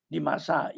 di masa ini